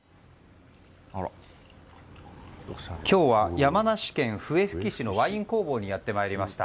今日は山梨県笛吹市のワイン工房にやってまいりました。